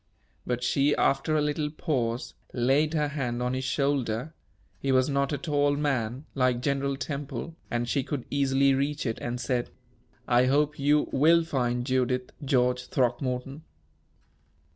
But she, after a little pause, laid her hand on his shoulder he was not a tall man, like General Temple, and she could easily reach it and said: "I hope you will find Judith, George Throckmorton."